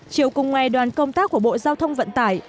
chiều cùng ngày đoàn công tác của bộ giao thông vận tải